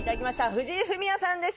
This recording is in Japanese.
藤井フミヤさんです。